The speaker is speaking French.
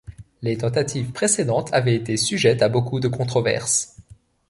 Les tentatives précédentes avaient été sujettes à beaucoup de controverse.